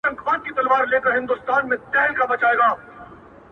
هغه به دروند ساتي چي څوک یې په عزت کوي’